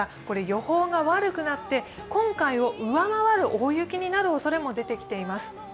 予報が悪くなって、今回を上回る大雪になるおそれも出てきています。